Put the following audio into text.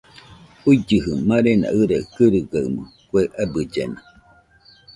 Juigɨjɨ marena ɨraɨ kɨrɨgaɨmo, kue abɨllena